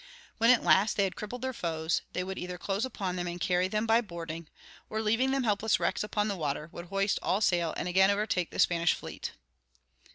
When at last they had crippled their foes, they would either close upon them and carry them by boarding, or, leaving them helpless wrecks upon the water, would hoist all sail and again overtake the Spanish fleet.